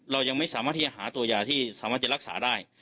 เรายังไม่สามารถที่จะหาตัวยาที่สามารถจะรักษาได้